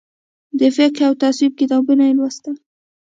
د فقهي او تصوف کتابونه یې ولوستل.